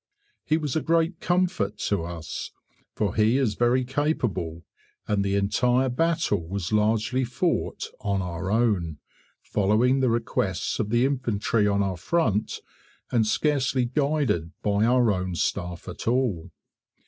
He was a great comfort to us, for he is very capable, and the entire battle was largely fought "on our own", following the requests of the Infantry on our front, and scarcely guided by our own staff at all.